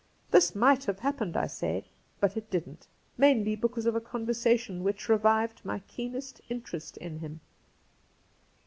This might have happened, I say ; but it didn't. Mainly because of a conversation which revived my keenest inter est in him.